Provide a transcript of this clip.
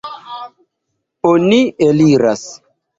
Oni eliras.